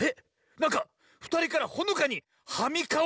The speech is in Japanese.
なんかふたりからほのかに「はみかお」